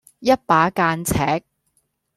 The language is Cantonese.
一把間尺